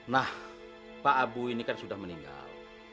nah pak abu ini kan sudah meninggal